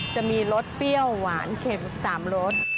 จะมีรสเปรี้ยวหวานเข็ม๓รส